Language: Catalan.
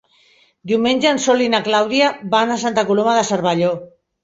Diumenge en Sol i na Clàudia van a Santa Coloma de Cervelló.